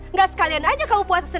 nggak sekalian aja kamu puasa senin kamis